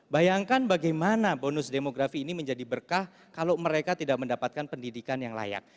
bayangkan bagaimana bonus demografi ini menjadi berkah kalau mereka tidak mendapatkan pendidikan yang layak